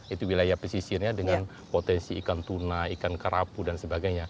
itu wilayah pesisirnya dengan potensi ikan tuna ikan kerapu dan sebagainya